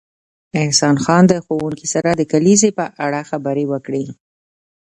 احسان خان د ښوونکي سره د کلیزې په اړه خبرې وکړې